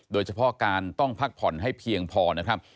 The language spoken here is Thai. โดยเฉพาะการต้องพักผ่อนให้เพียงพอนะครับ